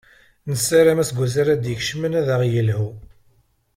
Nessaram aseggas ara d-ikecmen ad aɣ-yelhu.